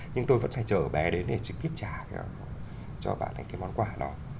nhưng tôi vẫn phải chở bé đến để trực tiếp trả cho bạn ấy cái món quà đó